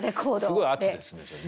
すごい圧ですね。